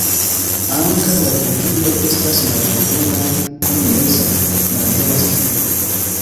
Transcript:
Ankaŭ la flugiloj estas malhelbrunaj kun meza malhela strio.